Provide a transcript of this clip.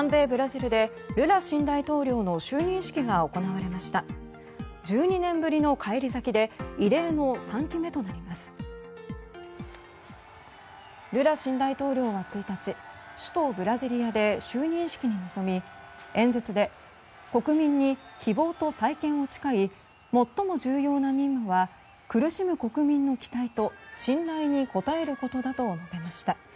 ルラ新大統領は１日首都ブラジリアで就任式に臨み演説で国民に希望と再建を誓い最も重要な任務は苦しむ国民の期待と信頼に応えることだと述べました。